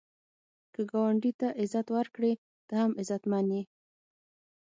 که ګاونډي ته عزت ورکړې، ته هم عزتمن یې